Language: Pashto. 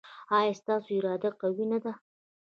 ایا ستاسو اراده قوي نه ده؟